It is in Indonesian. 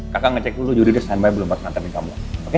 kakak ngecek dulu jodidah standby belum empat menit lagi kamu